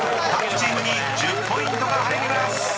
［各チームに１０ポイントが入ります］